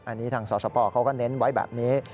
อันนี้ทางสสปเขาก็เน้นไว้แบบนี้